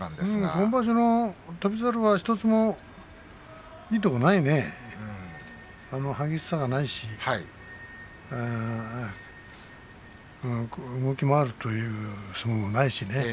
今場所の翔猿は１つもいいところがないね激しさもないし動き回るという相撲もないしね。